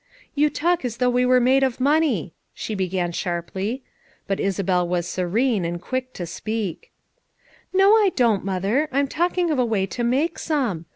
"You talk as though we were made of money," she began sharply. But Isabel was serene, and quick to speak, "No, Pdon't, Mother; I'm talking of a way to make some.